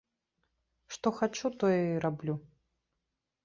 Што хачу тое і раблю.